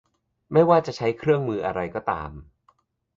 ไม่ว่าจะใช้เครื่องมืออะไรก็ตาม